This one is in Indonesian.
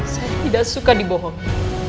saya tidak suka dibohongi